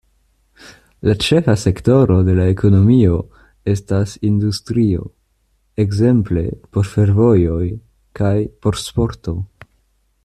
La ĉefa sektoro de la ekonomio estas industrio, ekzemple por fervojoj kaj por sporto.